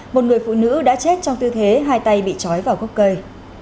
một người phụ nữ đã chết trong tư thế hai tay bị chói vào gốc cây